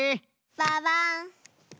ババン！